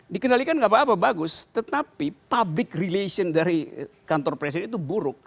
dikendalikan nggak apa apa bagus tetapi public relation dari kantor presiden itu buruk